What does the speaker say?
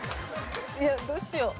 いやどうしよう。